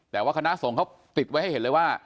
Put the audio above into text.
แต่ว่าคณะสงฆ์เขาติดไว้ให้เห็นเลยว่า